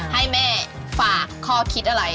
ให้แม่ฝากข้อคิดอะไร